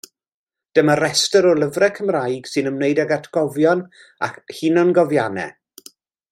Dyma restr o lyfrau Cymraeg sy'n ymwneud ag Atgofion a Hunangofiannau.